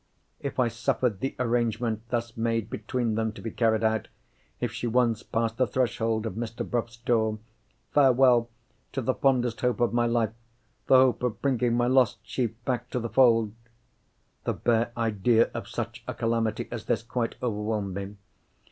If I suffered the arrangement thus made between them to be carried out—if she once passed the threshold of Mr. Bruff's door—farewell to the fondest hope of my life, the hope of bringing my lost sheep back to the fold! The bare idea of such a calamity as this quite overwhelmed me.